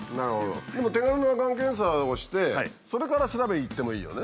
でも手軽ながん検査をしてそれから調べに行ってもいいよね。